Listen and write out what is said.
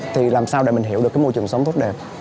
thì làm sao để mình hiểu được cái môi trường sống tốt đẹp